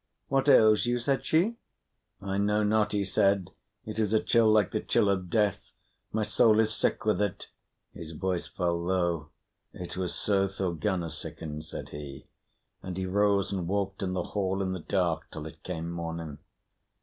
"What ails you?" said she. "I know not," he said. "It is a chill like the chill of death. My soul is sick with it." His voice fell low. "It was so Thorgunna sickened," said he. And he arose and walked in the hall in the dark till it came morning.